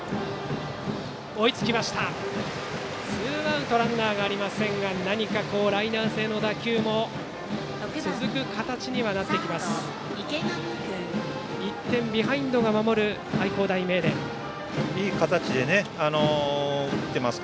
ツーアウトランナーありませんが何かライナー性の打球も続く形になってきています。